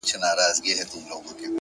هوښیار فکر بې ځایه شخړې کموي!